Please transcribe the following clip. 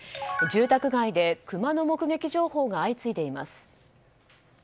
住宅街でクマの目撃情報が相次いでいます。